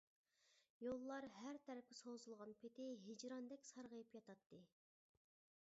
يوللار ھەر تەرەپكە سوزۇلغان پېتى ھىجراندەك سارغىيىپ ياتاتتى.